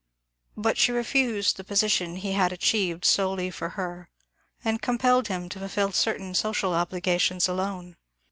But she refused the position he had achieved solely for her, and compelled him to fulfil certain social obligations alone.